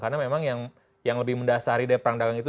karena memang yang lebih mendasar dari perang dagang itu